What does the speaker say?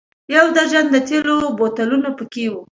یو درجن د تېلو بوتلونه په کې و.